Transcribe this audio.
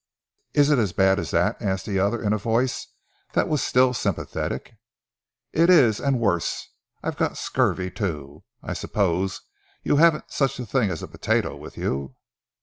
"Is it as bad as that?" asked the other in a voice that was still sympathetic. "It is, and worse! I've got scurvy too. I suppose you haven't such a thing as a potato with you?"